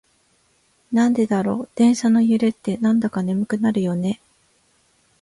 なんでだろう、電車の揺れってなんだか眠くなるよね。